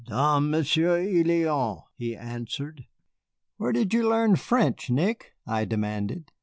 "Dame, Monsieur, il y en a," he answered. "Where did you learn French, Nick?" I demanded.